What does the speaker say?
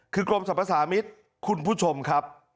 คือกรมสรรพสามิตรคุณผู้ชมครับ